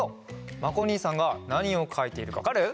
まことおにいさんがなにをかいているかわかる？